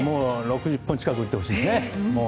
６０本近く打ってほしいですね。